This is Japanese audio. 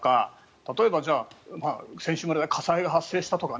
例えば選手村で火災が発生したとかね。